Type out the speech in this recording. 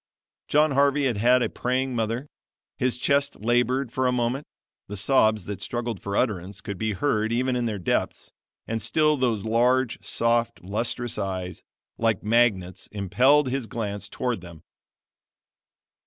John Harvey had had a praying mother. His chest labored for a moment the sobs that struggled for utterance could be heard even in their depths and still those large, soft, lustrous eyes, like magnets impelled his glance toward them.